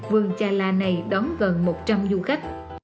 vườn trà lạ này đón gần một trăm linh du khách